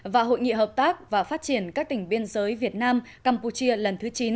và hội nghị hợp tác và phát triển các tỉnh biên giới việt nam campuchia lần thứ chín